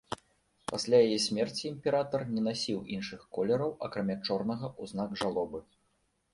Пасля яе смерці імператар не насіў іншых колераў акрамя чорнага ў знак жалобы.